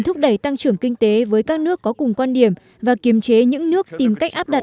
thúc đẩy tăng trưởng kinh tế với các nước có cùng quan điểm và kiềm chế những nước tìm cách áp đặt